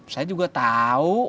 saya juga tahu